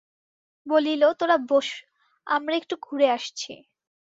বলিল, তোরা বোস, আমরা একটু ঘুরে আসছি।